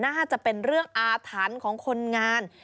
น่าจะเป็นเรื่องอาถรรพ์ของคนงาน